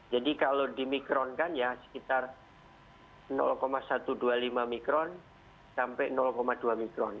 jadi kalau dimikronkan ya sekitar satu ratus dua puluh lima mikron sampai dua mikron